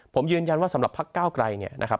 ผมยืนยันว่าสำหรับพักก้าวไกลเนี่ยนะครับ